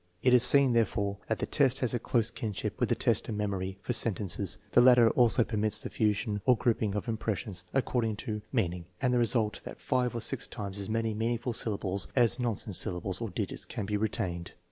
It is seen, therefore, that the test has a close kinship with the test of memory for sentences. The latter, also, permits the fusion or group ing of impressions according to meaning, with the result that five or six times as many meaningful syllables as non sense syllables or digits can be retained.